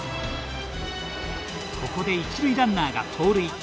ここで一塁ランナーが盗塁。